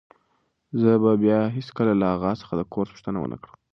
زه به بیا هیڅکله له اغا څخه د کورس پوښتنه ونه کړم.